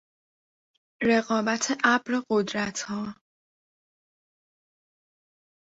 رقابت ابر قدرتها